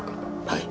はい。